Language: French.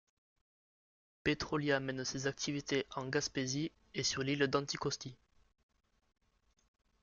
Pétrolia mène ses activités en Gaspésie et sur l'île d'Anticosti.